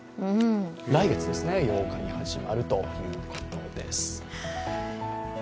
来月８日に始まるということです。